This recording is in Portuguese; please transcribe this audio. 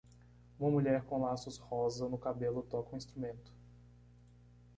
Uma mulher com laços rosa no cabelo toca um instrumento.